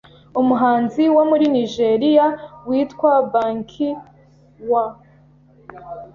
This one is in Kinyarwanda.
umuhanzi wo muri Nigeria witwa Banky W